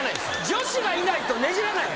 女子がいないとねじらないよね。